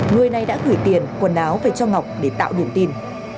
người này đã gửi tiền quần áo về cho ngọc để tạo niềm tin